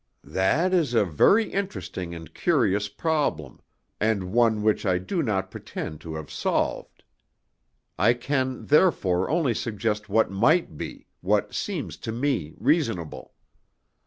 "That is a very interesting and curious problem, and one which I do not pretend to have solved. I can, therefore, only suggest what might be, what seems to me reasonable.